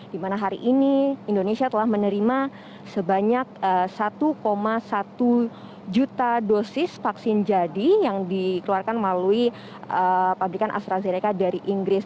dimana hari ini indonesia telah menerima sebanyak satu satu juta dosis vaksin jadi yang dikeluarkan melalui pabrikan astrazeneca dari inggris